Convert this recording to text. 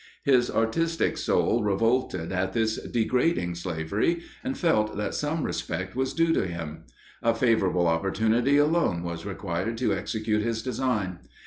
His artistic soul revolted at this degrading slavery, and felt that some respect was due to him. A favourable opportunity alone was required to execute his design.